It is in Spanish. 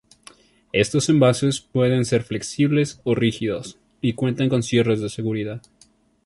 Estos envases pueden ser flexibles o rígidos y cuentan con cierres de seguridad.